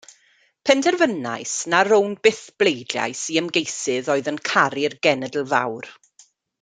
Penderfynais na rown byth bleidlais i ymgeisydd oedd yn caru'r genedl fawr.